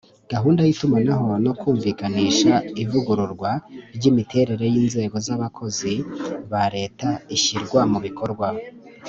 gahunda y'itumanaho no kumvikanisha ivugururwa ry'imiterere y'inzego z'abakozi ba leta izashyirwa mu bikorwa